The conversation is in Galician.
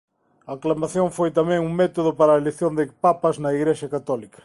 A aclamación foi tamén un método para a elección de papas da Igrexa católica.